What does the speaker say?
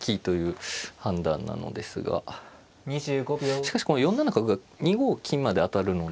しかしこの４七角が２五金まで当たるので。